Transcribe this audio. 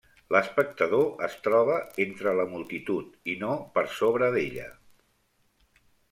L’espectador es troba entre la multitud i no per sobre d’ella.